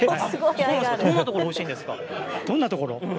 どんなところがおいしいですか。